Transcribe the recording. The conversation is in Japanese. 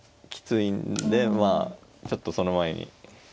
きついんでまあちょっとその前に。